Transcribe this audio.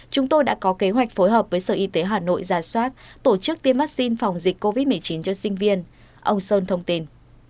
chúng tôi đã có kế hoạch phối hợp với sở y tế hà nội giả soát tổ chức tiêm vaccine phòng dịch covid một mươi chín cho sinh viên ông sơn thông tin